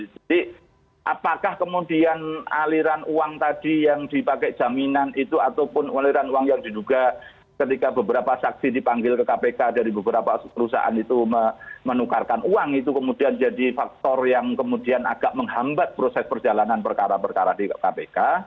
jadi apakah kemudian aliran uang tadi yang dipakai jaminan itu ataupun aliran uang yang diduga ketika beberapa saksi dipanggil ke kpk dari beberapa perusahaan itu menukarkan uang itu kemudian jadi faktor yang kemudian agak menghambat proses perjalanan perkara perkara di kpk